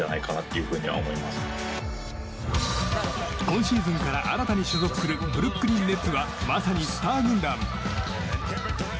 今シーズンから新たに所属するブルックリン・ネッツはまさにスター軍団。